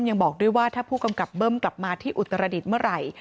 ยังบอกด้วยว่าถ้าผู้กำกับเบิ้มกลับมาที่อุตรดิษฐ์เมื่อไหร่